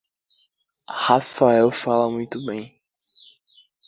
Rafael fala muito bem.